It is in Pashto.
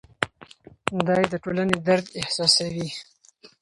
دی د ټولنې درد احساسوي.